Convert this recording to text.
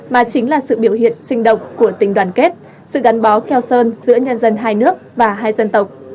mà chính là sự biểu hiện sinh động của tình đoàn kết sự gắn bó keo sơn giữa nhân dân hai nước và hai dân tộc